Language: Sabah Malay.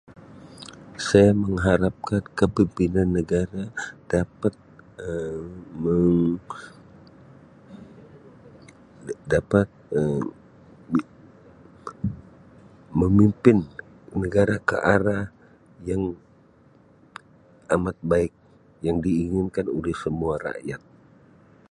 Um Saya mengharapkan kepimpinan negara dapat Um meng- dapat Um [unintelligible] memimpin negara ke arah yang amat baik yang diinginkan oleh semua rakyat.